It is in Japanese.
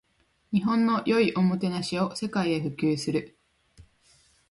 日本の良いおもてなしを世界へ普及する